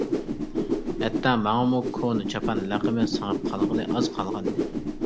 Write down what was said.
ھەتتا ماڭىمۇ «كونا چاپان» لەقىمى سىڭىپ قالغىلى ئاز قالغانىدى.